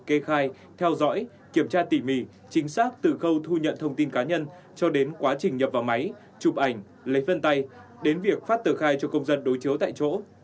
kê khai theo dõi kiểm tra tỉ mỉ chính xác từ khâu thu nhận thông tin cá nhân cho đến quá trình nhập vào máy chụp ảnh lấy vân tay đến việc phát tờ khai cho công dân đối chiếu tại chỗ